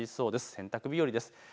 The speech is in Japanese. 洗濯日和です。